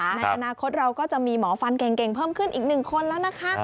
ในอนาคตเราก็จะมีหมอฟันเก่งเพิ่มขึ้นอีก๑คนแล้วนะคะ